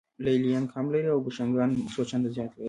لې لیان کم لري او بوشونګان څو چنده زیات لري